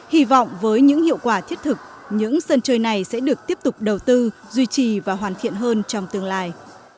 hy vọng với những hiệu quả thiết thực những sân chơi này sẽ được tiếp tục đầu tư duy trì và hoàn thiện hơn trong tương lai